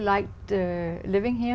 và tôi nghĩ